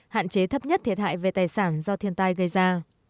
hạn chế thấp nhất thiệt hại về tài sản do thiên tai gây ra